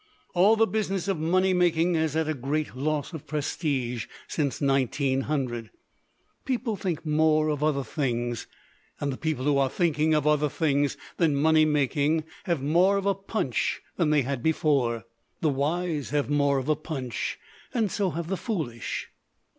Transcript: "All the business of money making has had a great loss of prestige since 1900. People think more of other things. And the people who are thinking of other things than money making have more of a 'punch' than they had before. The wise have more of a punch, and so have the foolish."